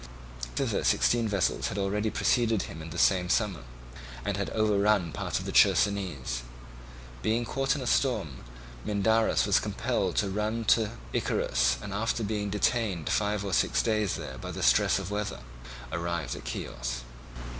Thither sixteen vessels had already preceded him in the same summer, and had overrun part of the Chersonese. Being caught in a storm, Mindarus was compelled to run in to Icarus and, after being detained five or six days there by stress of weather, arrived at Chios.